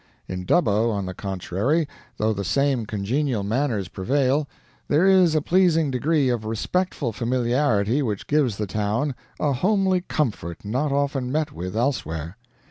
In Dubbo, on the contrary, though the same congenial manners prevail, there is a pleasing degree of respectful familiarity which gives the town a homely comfort not often met with elsewhere.